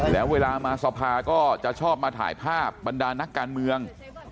แล้วเวลามาสภาก็จะชอบมาถ่ายภาพบรรดานักการเมือง